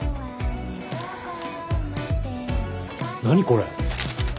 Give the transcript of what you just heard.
何これ？